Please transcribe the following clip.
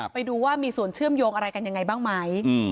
ไปดูว่ามีส่วนเชื่อมโยงอะไรกันยังไงบ้างไหม